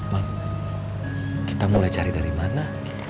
pak kita mulai cari dari mana